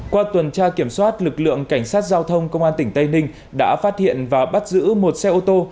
qua tuần tra kiểm soát lực lượng cảnh sát giao thông công an tỉnh tây ninh đã phát hiện và bắt giữ một xe ô tô